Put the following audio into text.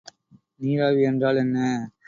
நீராவி என்றால் என்ன?